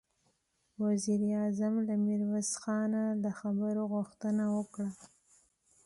وزير اعظم له ميرويس خانه د خبرو غوښتنه وکړه.